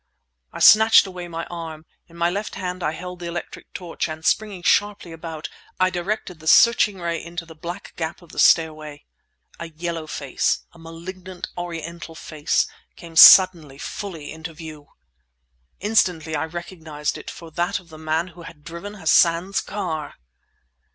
I snatched away my arm; in my left hand I held the electric torch, and springing sharply about I directed the searching ray into the black gap of the stairway. A yellow face, a malignant Oriental face, came suddenly, fully, into view! Instantly I recognized it for that of the man who had driven Hassan's car!